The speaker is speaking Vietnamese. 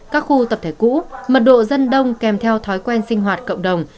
các khu tập thể cũ mật độ dân đông kèm theo thói quen sinh hoạt cộng đồng